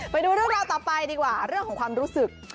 ไปดูเรื่องราวต่อไปดีกว่าเรื่องของความรู้สึก